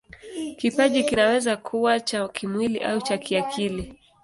Kipaji kinaweza kuwa cha kimwili au cha kiakili.